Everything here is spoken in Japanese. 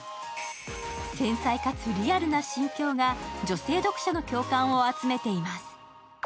繊細かつリアルな心境が女性読者の共感を集めています。